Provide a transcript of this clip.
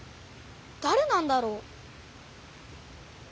だれなんだろう？